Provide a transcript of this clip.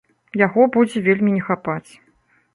Яго будзе вельмі не хапаць.